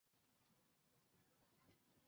这个日期在纽康的太阳表也得到应用。